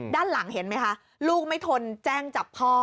ด้านหลังเห็นไหมคะลูกไม่ทนแจ้งจับพ่อ